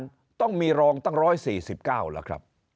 บัญชาการต้องมีรองตั้ง๑๔๙หรอครับ